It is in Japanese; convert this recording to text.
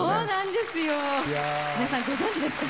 皆さんご存じですか？